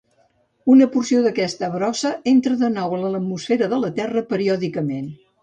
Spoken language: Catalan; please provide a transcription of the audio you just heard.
Una porció d'aquesta brossa entra de nou en l'atmosfera de la Terra periòdicament.